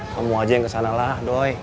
kamu aja yang kesanalah doi